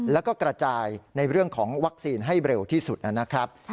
แล้วก็กระจายในเรื่องของวัคซีนให้เร็วที่สุดนะครับ